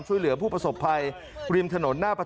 คือได้ชีวิตออกมา